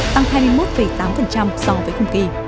tăng hai mươi một tám so với cùng kỳ